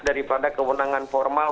dari pada kewenangan formal